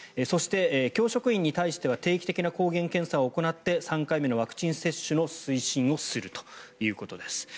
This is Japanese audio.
そして、教職員に対しては定期的な抗原検査を行って３回目のワクチン接種の推進をするということです。